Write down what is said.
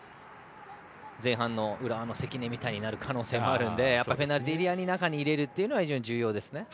前半の浦和の関根みたいになる可能性もあるのでペナルティーエリアの中に入れることは非常に重要ですね。